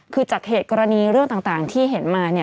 คือจากเหตุกรณีเรื่องต่างที่เห็นมา